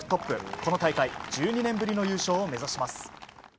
この大会１２年ぶりの優勝を目指します。